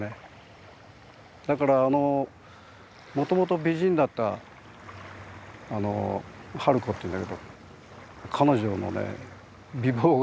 だからもともと美人だったあの春子っていうんだけど彼女のね美貌がね